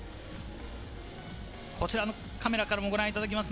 こちらのカメラからもご覧いただきます。